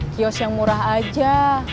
kios yang murah aja